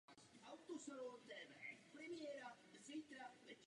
Cocchim.